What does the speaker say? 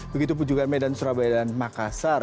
begitu pun juga medan surabaya dan makassar